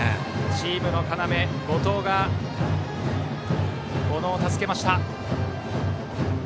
チームの要、後藤が小野を助けました。